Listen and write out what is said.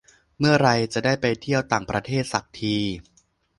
เมื่อไรจะได้ไปเที่ยวต่างประเทศสักที